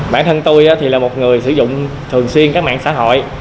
bản thân tôi thì là một người sử dụng thường xuyên các mạng xã hội